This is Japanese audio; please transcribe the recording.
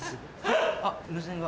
あっ無線が。